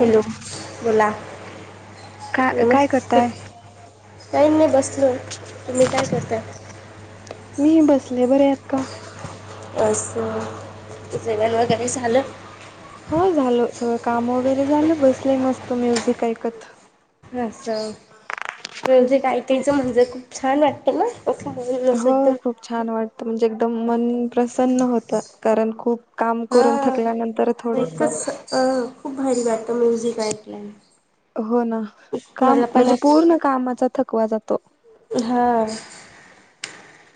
Hello बोला का काय नमस् करताय? टाईन नाही बस स तुम्ही काय करताय? मीही बसले, बरे आहेत का? अस, जेवण वैगेरे झाल? हो झाल. सगळं काम वगैरे झालं, बसले मस्त म्युझिक ऐ असं म्युझिक ऐकायचं म्हणजे खूप छान वाटत ना? असं म्हणून असं हो एकदम खूप छान वाटतं, म्हणजे एकदम मन प्रसन्न होतं. कारण खूप काम करून हा थकल्यानंतर थोडस एकच अ खूप भारी वाटत म्युझिक ऐकल्याने. हो ना, काम मला पण म्हणजे पूर्ण कामाचा थकवा जा तो हा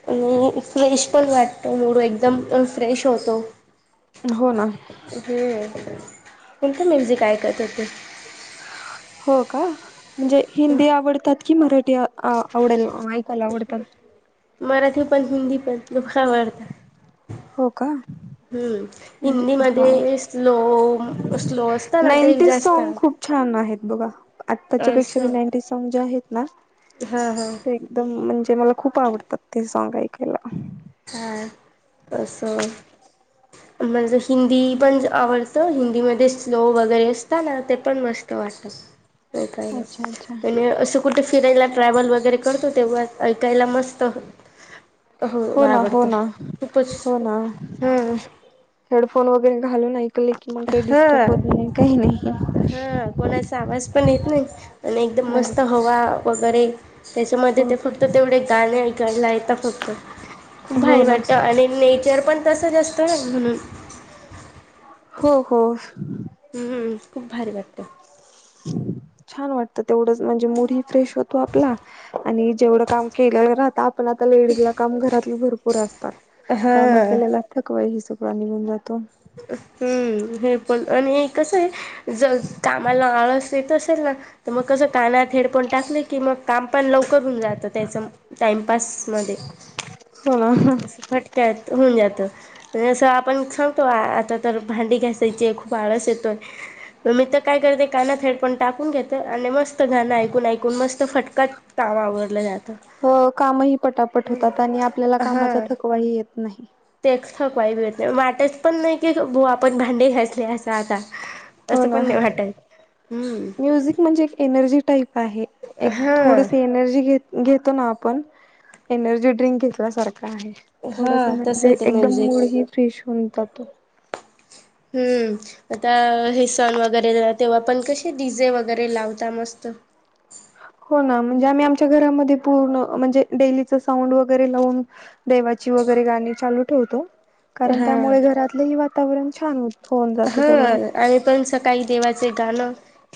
आणि फ्रेश पण वाटतो मुडं एकदम पण फ्रेश होतो. हो ना कोणते म्युझिक ऐकत होते? हो का? म्हणजे हिंदी आवडतात की मराठी आवडेल ऐकायला आवडतात? मराठी पण हिंदी पण दो पण आवडतात. हो का हम. हा हिंदीमध्ये स्लोम स्लो असत ना तेच नाईंटीज जास्त सॉन्ग खूप छान आहेत बघा. आत्ताच्या पेक्षा मी असं नाईंटी सॉंग जे आहेत ना हां हां ते एकदम म्हणजे मला खूप आवडतात ते सॉंग ऐकायला. हा अस म्हणजे हिंदी पण आवडतं हिंदीमध्ये स्लो वगैरे ताना ते पण मस्त वाटतात ओकायला अच्छा अच्छा. आणि असं कुठे फिरायला ट्रॅव्हल वगैरे करतो तेव्हा ऐकायला मस्त अ होय. हो ना, हो ना, हो ना. हां हेड फोन वगैरे घालून ऐक हा, नाही हा कोणाचा आवाज पण येत नाही आणि एकदम नाही. मस्त हवा वगैरे त्याच्यामध्ये ते ओके फक्त तेवढे गाणे ऐकायला ये आत्ता फक्त खूप हो भारी ना वाटतं आणि नेचर पण तसंच असतं ना म्हणून. हो हो हम्म खूप भारी वाट त छान वाटतं तेवढंच म्हणजे मुड फ्रेश होतो आपला आणि जेवढं काम केलेलं राहत पण आता डीज ला काम घरात भर पुर काम हा केलेला थकवा ह सु पाणी घेऊन जातो हम्म हेडफोन आणि कसं आहे जर कामाला आळस येत असेल ना तर मग कस कानात हेडफोन टाकले की मग काम पण लवकर होऊन जातं त्याच टाइमपास मध्ये हो ना. अस फटक्यात होऊन जातं असं आपण ख आता तर भांडी घ्यासायचीये. खूप आळस येतोय. मग मी त काय करते? कानात हेडफोन टाकून घेते आणि मस्त. मस्त गाणं ऐकून ऐकून मस्त फटक्यात आवरलं जात. अ कामही पटापट ह्म्म होतात आणि आपल्याला हा.. कामाचा थकवाही येत नाही. तेच... वाटच पण नाही की आपण भांडे घासले अस. हो ना हम्म म्युझिक म्हणजे एक एनर्जी टाईप आहे. एक हा थोडस एनर्जी घे घेतो ना आपण पण एनर्जी ड्रिंक घेतल्या सारख आहे हा थोडस.. तसं म्हणजे येते एकदम म्युझिक. मूड ही फ्रेश होऊन जातो. हम्म आता हे सण वगैरे तेव्हा पण कसे डीझे वगैरे लावता मस्त. हो ना म्हणजे आम्ही आमच्या घरामध्ये पूर्ण म्हणजे डेलीच साऊंड वगैरे लावून देवाची वगैरे गाणी चालू ठेवतो कारण हा त्यामुळे घरातलेही वात वातावरण छान होत. हा.. आम्ही पण सकाळी देवाचे गाणं.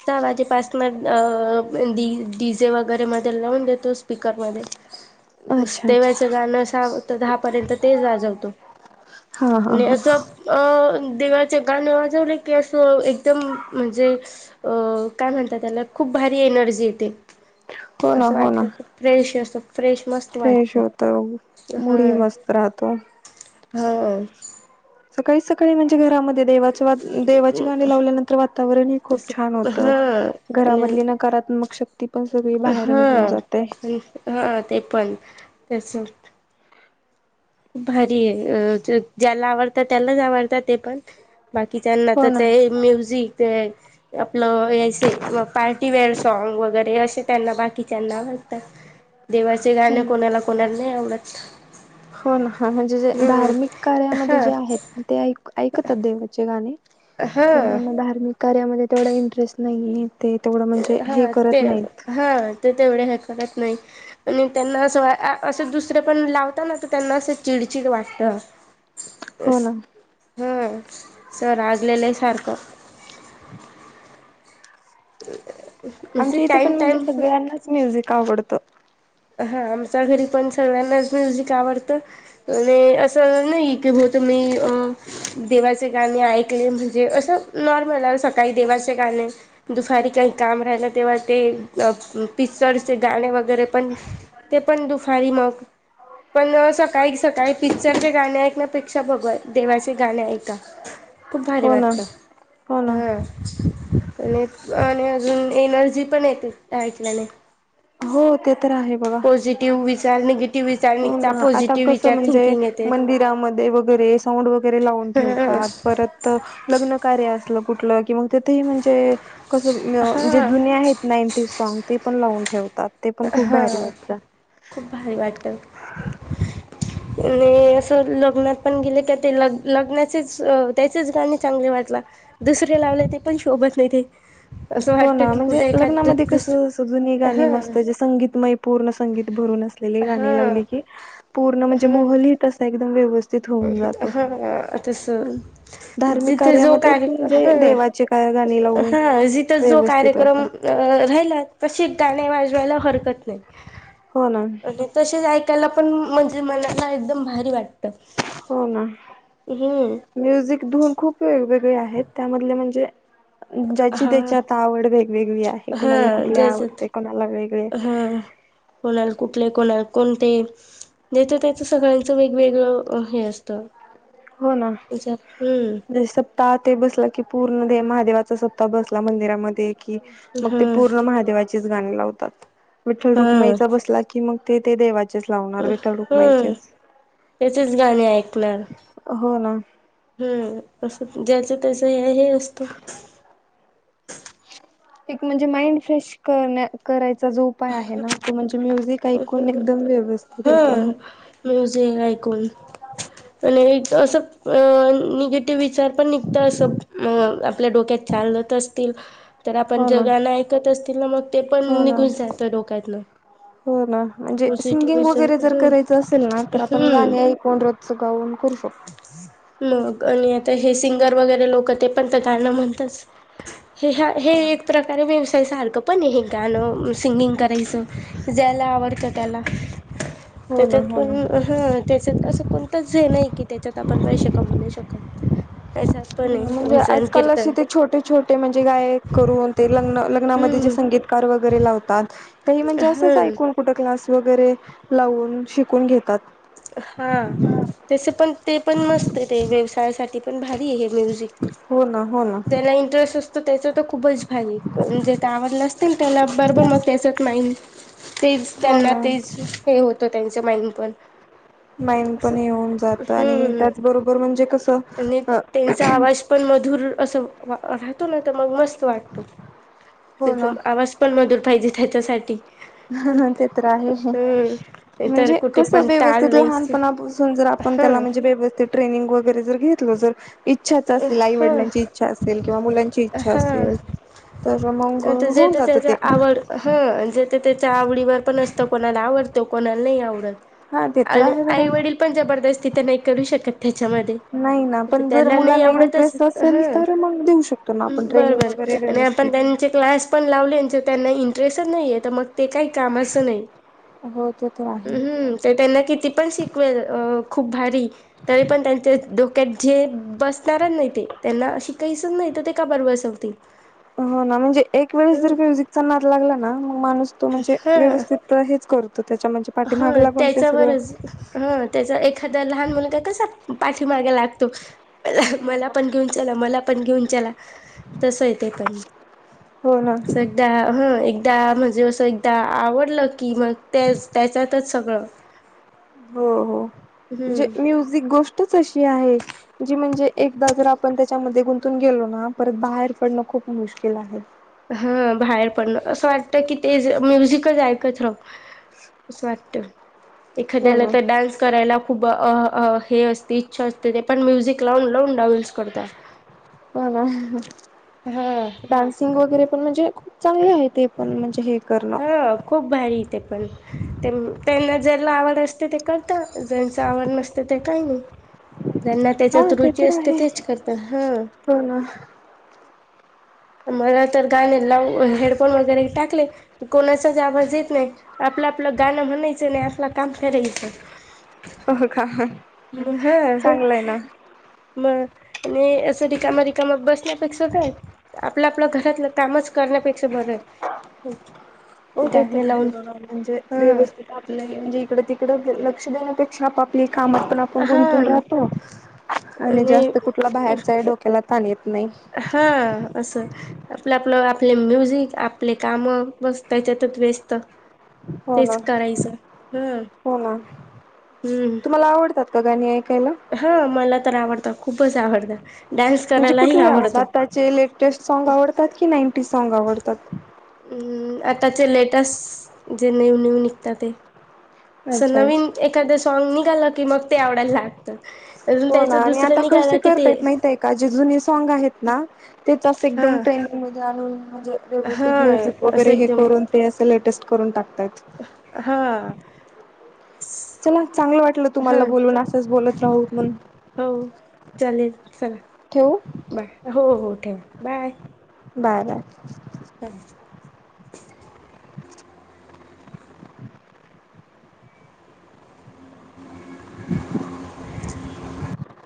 सहा वाजेपासन डीजे वगैरे मध्ये लावून देतोस. स्पिकर मध्ये. अच्छा अच्छा देवाच गाणं तर दहा पर्यंत ते वाजवतो हा हा आणि हा असं अ दिवा ते गाणं वाजवलं की असं एकदम म्हणजे. अ.. काय म्हणतात त्याला? खूप भारी एनर्जी येते. हो ना असं हो ना वाटत की फ्रेश असं फ्रेश मस्त फ्रेश वाटतं होतो. मूडही मस्त राहतो. होय.. सकाळी सकाळी म्हणजे घरामध्ये देवाच्या देवाची गाणी लावल्यानंतर वातावरण ही खूप तस छान होत. हा आणि घरामधलि नकारात्मक शक्ति हा.. हा. ते पण तस. भारी आहे. अ.. ज्याला आवडत त्यालाच आवडत ते पण. बाकीच्यांना हो तर ना तेही हो म्युझिक ते आपलं पार्टीवेेअर सॉग वगैरे असे त्यांना बाकीच्यांना वाटत. देवाचे गाणे. ना कोणाला कोणाला नाही आवडत? हो.. ना. हा.. जे हम्म धार्मिक कार्यामध्ये हा जे आहेत. ते एक ऐकतात देवाचे गाणे. हा पंधराला धार्मिक कार्यामध्ये तेवढा इंटरेस्ट नाहीे येते. हा.. ते. हा.. ते.. तेवढ हो त नाही आणि त्यांना अस असं दुसरं पण लावताना. तर त्यांना असं चिडचिड वाटत. हो ना हा सर आज [inaudible] सारखं [inaudible] आमच्या इथे टाइम पण म्हणजे टाइम सगळ्यांनाच म्युझिक क आवडत हा आमच्या घरी पण सगळ्यांनाच म्युझिक आवडतं आणि असं नाही की हो तुम्ही देवाचे गाणे ऐकले म्हणजे असं नॉर्मल आहे सकाळी देवाचे गाणे दुपारी काही काम राहिलं तेव्हा ते पिक्चरचे गाणे वगैरे पण ते पण दुपारी मग पण सकाळी सकाळी पिक्चरचे गाणे ऐकण्यापेक्षा भगवा देवाचे गाणे ऐका [unintelligible] खूप भारी हो ना वाटतं हो ना हा आणि आणि अजून एनर्जी पण येते ऐकल्याने हो ते तर आहे बघा पॉझिटिव्ह वि [inaudible] हो ना आता कस म्हणजे येते मंदिरामध्ये वगैरे साऊंड वगैरे लावून ह ठेवतात परत लग्न कार्य असलं कुठलं कि मग तिथेही म्हणजे कस जे हा जुन्या आहेत नाईंटी सॉग ते पण लावून ठेव तात ते पण खूप हा भारी वाटतात खूप भारी वाटतं आणि असं लग्नात पण गेले क ते ल लग्नाचेच त्याचेच गाणे चांगले वाटला दुसरे लावले ते पण शोभत नाही ते असं हो वाटतं ना की म्हणजे कुठे एखाद लग्नामध्ये कस दुस जुनी गाणी हा मस्त संगीत मय पूर्ण संगीतमय भरून असलेली गाणी हा लावली की पूर्ण म्हणजे हा [inaudible] एकदम व्यवस्थित होऊन जातो हा तस धार्मिक जिथ जो कार्यामध्ये का म्हणजे ह देवाचे काय गाणी लावून हा जिथं जो व्यवस्थित कार्यक्रम वाटत राहिला अ तशि गानी वाजवायला हर कत नाही हो ना आणि तसेच ऐकायला पण म्हणजे मला ना एकदम भारी वाटतं हो ना म्युझिक धुून खूप वेगवेग वळे आहेत त्यामधले म्हणजे ज्याची हा त्याची आता आवड वेगवेगळी आहे हा कोणाला कुठली जयचत आवडते कोणाला वेगळे हा कोणाला कोणाला कोणती जेच तेच सगळ्यांचं वेगवेगळं हे असतं हो ना हम्म जर सप्ताह ते बसलं की पूर्ण ते महादेवाच सप्ताह बसला मंदिरामध्ये की मग हा ते पूर्ण महादेवाचे तीच गाणी लावतात. विठ्ठल हा रुक्माईचा बसला की मग ते ते देवात हम्म त्याचेच गाणे ऐकणार. हो ना. तंसच ज्याच त्याच हे असतो. एक म्हणजे माइंड फ्रेश करन्या करायच. तो जो उपाय आहे ना तो म्हणजे म्युझिक. ऐकून एकदम ह व्यवस्थित होत म्युझिक ऐकून आणि एक असंच अ निगेटिव्ह विचार पण निघत असं मग आपल्या डोक्यात चालत असतील तर आपण हो जे ना गाणं ऐकत असतील ना मग ते पण हो निघून जात डोक्यातन. होना म्हणजे सिंगिंग वगैरे जर करायचं असेल ना तर आपण हम्म. गाणी ऐकून रोज चा गाऊन करू शकतो. तर हे सिंगर वगैरे लोक ते पण ते गणं म्हणत असता हे ह्या हे एक प्रकारे व्यवसाय सारखं पण हे गाणं सिंगिंग करायचं जर. मला आवडतं त्याला हो ना त्याच्यात हो ना. पण हं त्याच्यात असं कोणतच हे नाही कि त्याच्यात आपण पैसे कमवू शकतो. [unintelligible] हं म्हणजे भजन आजकाल अस कीर्तन ते छोटे छोटे म्हणजे गायक करून ते लग्न लग्नामध्ये जे हम्म संगीतकार वगैरे लावतात. काही म्हणजे असंच हम्म ऐकून कुठल क्लास वगैरे, लावून शिकून घेतात. हा त्याच पण ते पण मस्त आहे ते व्यवसाय. [unintelligible] साठी पण भारी आहे. म्युझिक हो ना हो ना. ज्यांना इंटरेस् असतो त्याच तर खूपच भारी जे [unintelligible] [unintelligible] बरोबर मस त्याच्यात नाही, ते हो त्यांना ना तेच हे होत त्यां [unintelligible] माइंड पण येऊन, जात आणि त्याचबरोबर म्हणजे कसं. आणि अ त्यांच आवाज पण मधुर अ [unintelligible] राहतो ना तर मग मस्त. वाटतो [unintelligible] हो त्यांच ना आवाज पण मधुर पाहिजे. त्याच्यासाठी. ते तर आहे हम्म तर म्हणजे कुठे कसं, पण ताल व्यवस्थित नाहीच लहानपणापासून जर आपण हा त्याला म्हणजे, व्यवस्थित ट्रेनिंग वगैरे जर घेत [unintelligible] इच्छाच असेल हा आईवडिलांची इच्छा असेल. किंवा मुलांची इच्छा हा असेल तर मग होऊन, जात ते. जाच्या त्यांच्या त्याच्या आवडीवर पण असतं कोणाला, आवडतं कोणाला नाही आवडतं. हा ते तर आणि आहे बघा आई वडील पण जबरदस्ती करू शकत त्याच्यामध्ये नाही ना पण जर [unintelligible] मुलांना इंटरेस्ट असेल तर मग देऊ शकतो ना आपण बरं ट्रेनिंग बरं वगैरे अणि आपण व्यवस्थित त्यांचे क्लास पण लावल्यांच त्यांच त्यांना इंटरेस्टच नाहीय, तर मग ते काय? कामाचं नाइ हो ते तर आहे अहं अहं ते त्यांना किती? पण शिकवेल अ खूप भारी तरी पण त्याच त्यात जे बसणारं नाही ते त्यांना अ शिकायचचं नाही, तर ते का बरं बसवतील. हो ना म्हणजे, एक वेळेस जर म्युझिकचा नाद लागला. ना मग माणूस तो म्हणजे हा व्यवस्थित [unintelligible] म्हणजे हा पाठीमाग लागून ते सगळं त्याच्यावरच हं त्याच्या एखादा लहान मुलगा कसा पाठीमागे ला त अहं! मला पण घेऊन चला, मला पण घेऊन चला, तसयं ते पण हो ना [unintelligible] हं. त्या म्हणजे असं एकदा आवडलं की, मग तेच. त्यातच सगळं. हो हो जे हम्म म्युझिक गोष्टच अशी आहे. जी म्हणजे एकदा जर आपण त्याच्यामध्ये गुंतून गेलो ना परत बाहेर पडणं खूप मुश्किल आहे. हा बाहेर पडण असं वाटत की ते ज म्युझिकच अं ऐकत राहु असं वाटत. हो एखाद्याला ना. तर डान्स करायला खूप हं हं असते इच्छा असते ते पण म्युझिक लावून लावून ट्रॅवल्स करतात. हो ना हा डान्सिंग वगैरे पण म्हणजे चांगले आहे ते पण म्हणजे हे करणं. हा खूप भारी ते पण त्यान त्यांना ज्याला आवड असते ते करतं ज्यांचं आवड नसते ते काय नाही. जेना हा त्याच्यात ते रुची तर असते आहे. तेच करतां हा हो ना मला तर गाणे लावुन हेडफोन वगैरे टाकले कोणाचाच आवाज येत नाहीत आपलं आपलं गाणं म्हणायचं नाही आपलं काम करायचं. हो का. हा हा. चांगलं आहे ना. म आणि असं रिकाम रिकाम बसण्यापेक्षा काय आपलं आपल्या घरातलं कामच करण्यापेक्षा बरंय, होय. हो तेथे आहे बघा म्हणजे व्यवस्थित आपल्या ही म्हणजे इकडे तिक लक्ष देण्यापेक्षा आप आपली कामात पण आपण हा गुंतवुन राहतो. आणि जास्त कुठला बाहेरचा आहे डोक्याला ताण येत नाही हा असं आपल्या वर आपले म्युझिक आपले कामं बस त्याच्यातच व्यस्त हो ना तेच करायचं हा हो ना हम्म तुम्हाला आवडतात का गाणी ऐ हा मला तर आवड खूपच आवडता. म्हणजे कुठले आवडतात आताचे लेटेस्ट साँग आवडतात की नायंटी साँग सॉंग आवडतात. अम् आताचे लेटेस्ट जे न्यू न्यू निघतं ते स अच्छा अच्छा. नवीन एखाद्या सॉग नी गलत हो ना त्याचं आणि दुसरं आता कसे निघालं की ते करतायेत माहितेय का जे जुने सॉग आहेत ना तेच असं हा एकदम ट्रेनिंग मधे आणून म्हणजे हा व्यवस्थित म्युझिक वगैरे असं हे एकदम करून ते असं लेटेस्ट करून टाक हा चला चांगलं वाटलं हा तुम्हाला बोलून असंच बोलत [unintelligible] हो चालेल ठेवू चला बाय हो हो ठेव बाय बाय बाय [unintelligible] [inaudible]